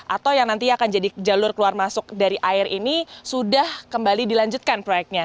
atau yang nanti akan jadi jalur keluar masuk dari air ini sudah kembali dilanjutkan proyeknya